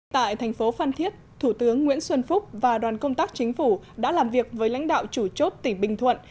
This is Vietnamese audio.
tại thành phố phan thiết thủ tướng nguyễn xuân phúc và đoàn công tác chính phủ đã làm việc với lãnh đạo chủ chốt tỉnh bình thuận